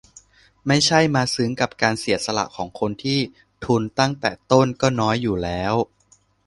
ไม่ใช่มาซึ้งกับการเสียสละของคนที่ทุนตั้งต้นก็น้อยอยู่แล้ว